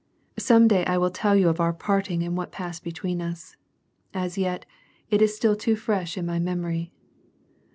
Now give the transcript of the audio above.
Some day I will tell you of our parting and what passed between us. As yet, it is still too fresh in my memory.